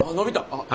あっ。